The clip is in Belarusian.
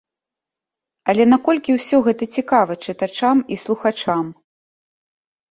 Але наколькі гэта ўсё цікава чытачам і слухачам?